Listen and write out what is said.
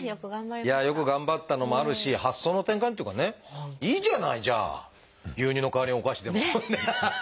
よく頑張ったのもあるし発想の転換っていうかねいいじゃないじゃあ牛乳の代わりにお菓子でもハハハ！